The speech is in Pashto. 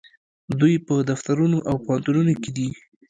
دوی په دفترونو او پوهنتونونو کې دي.